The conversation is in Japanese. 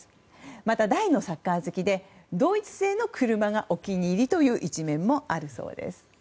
また大のサッカー好きでドイツ製の車がお気に入りという一面もあるそうです。